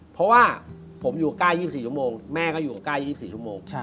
เพราะว่าผมอยู่ใกล้๒๔ชั่วโมงแม่ก็อยู่ใกล้๒๔ชั่วโมง